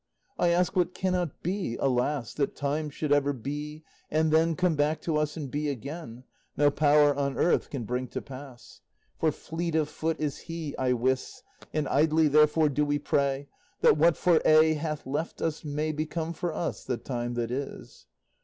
I ask what cannot be, alas! That time should ever be, and then Come back to us, and be again, No power on earth can bring to pass; For fleet of foot is he, I wis, And idly, therefore, do we pray That what for aye hath left us may Become for us the time that is.